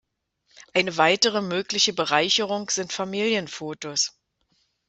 Eine weitere mögliche Bereicherung sind Familienfotos.